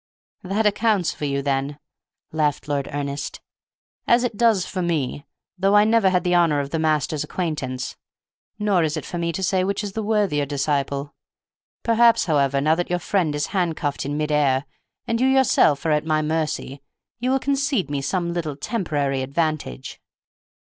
"That accounts for you, then," laughed Lord Ernest, "as it does for me, though I never had the honor of the master's acquaintance. Nor is it for me to say which is the worthier disciple. Perhaps, however, now that your friend is handcuffed in mid air, and you yourself are at my mercy, you will concede me some little temporary advantage?"